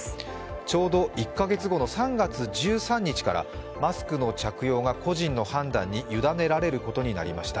ちょうど１か月後の３月１３日からマスクの着用が個人の判断に委ねられることにりました。